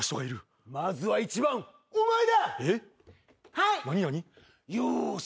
はい。